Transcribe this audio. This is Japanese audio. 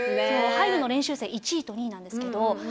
ＨＹＢＥの練習生１位と２位なんですけど。